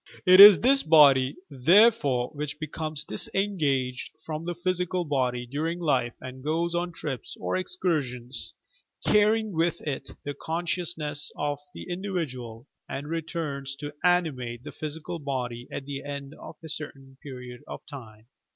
It SELP.PEOJECTION 231 IB this body, therefore, which becomes disengaged from the physical body during life and goes on trips or escur Bions — carrying with it the consciousness of the individ ual and returns to animate the physical body at the end of a certain period of time.